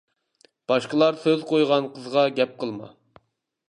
باشقىلار سۆز قويغان قىزغا گەپ قىلما.